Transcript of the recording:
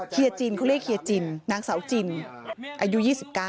เฮียจินเค้าเรียกให้ฮพคคคนังเศราจินอายุ๒๙